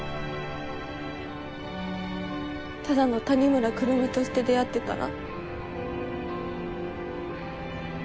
ただの谷村くるみとして出会ってたら？